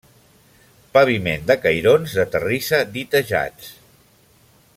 Paviment de cairons de terrissa ditejats.